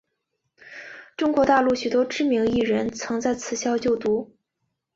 中国大陆许多知名艺人曾在此校就读。